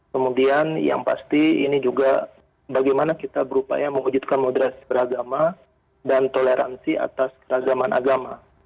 kemudian yang pasti ini juga bagaimana kita berupaya mewujudkan moderasi beragama dan toleransi atas keragaman agama